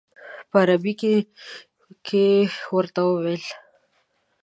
په عربي یې ورته وویل.